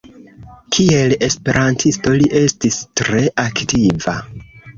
Kiel esperantisto li estis tre aktiva.